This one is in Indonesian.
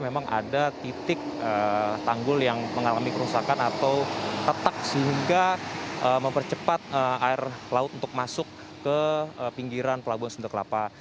memang ada titik tanggul yang mengalami kerusakan atau tetap sehingga mempercepat air laut untuk masuk ke pinggiran pelabuhan sunda kelapa